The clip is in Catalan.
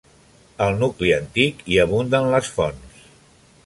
Al nucli antic hi abunden les fonts.